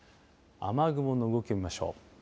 雨雲の動きを見ましょう。